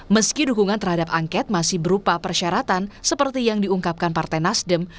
meski dukungan terhadap angket masih berupa persyaratan seperti yang diungkapkan partai nasdem